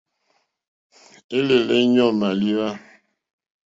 Élèlà éɲɔ̂ màléwá.